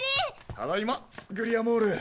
ただいまグリアモール。